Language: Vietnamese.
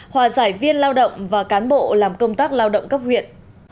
hòa giải viên lao động và cán bộ làm công tác lao động cấp huyện